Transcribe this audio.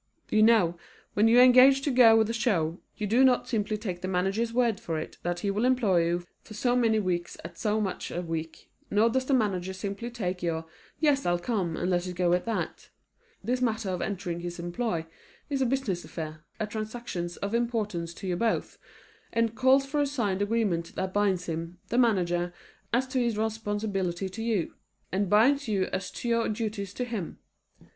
You know, when you engage to go with a show, you do not simply take the manager's word for it that he will employ you for so many weeks at so much a week, nor does the manager simply take your "Yes, I'll come," and let it go at that. This matter of entering his employ is a business affair, a transaction of importance to you both, and calls for a signed agreement that binds him, the manager, as to his responsibility to you, and binds you as to your duties to him.